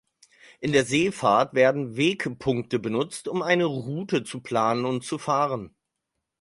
In der Seefahrt werden Wegpunkte benutzt, um eine Route zu planen und zu fahren.